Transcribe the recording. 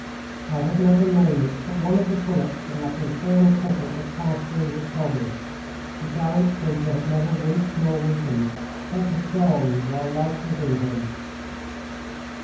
I had never known it, but one of the bullets from that infernal picket had passed through his body. The gallant creature had never winced nor weakened, but had gone while life was in him.